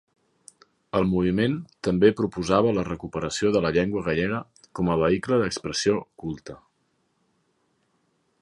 El moviment també proposava la recuperació de la llengua gallega com a vehicle d'expressió culte.